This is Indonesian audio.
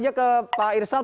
terakhir ke pak irsal